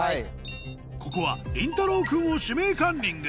ここはりんたろう君を「指名カンニング」